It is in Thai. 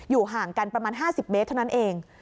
ห่างกันประมาณ๕๐เมตรเท่านั้นเอง